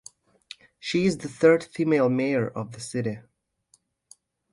She is the third female Mayor of the city.